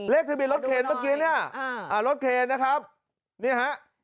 ทะเบียนรถเคนเมื่อกี้เนี่ยรถเคนนะครับนี่ฮะ